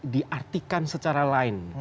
diartikan secara lain